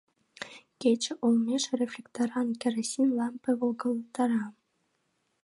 Кече олмеш рефлекторан керосин лампе волгалтара.